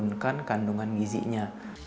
mengurangkan kandungan gizinya